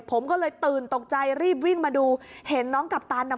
ผมก็เลยตื่นตกใจรีบวิ่งมาดูเห็นน้องกัปตันอ่ะ